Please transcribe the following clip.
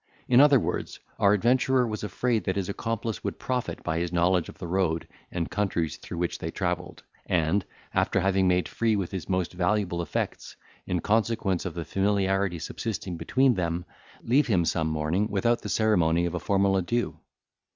In other words, our adventurer was afraid that his accomplice would profit by his knowledge of the road and countries through which they travelled, and, after having made free with his most valuable effects, in consequence of the familiarity subsisting between them, leave him some morning without the ceremony of a formal adieu.